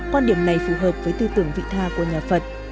quan điểm này phù hợp với tư tưởng vị tha của nhà phật